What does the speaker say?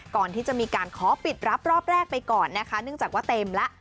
ก่อนที่จะมีการขอปิดรับรอบแรกไปก่อนนะคะเนื่องจากว่าเต็มแล้ว